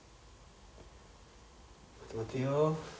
待てよ。